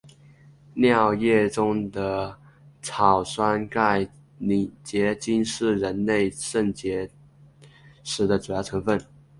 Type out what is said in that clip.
尿液中的草酸钙结晶是人类肾结石的主要成分。